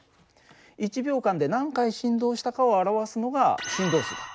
１秒間で何回振動したかを表すのが振動数だ。